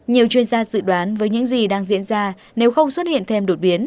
nhiều chuyên gia dự đoán với những gì đang diễn ra nếu không xuất hiện thêm đột biến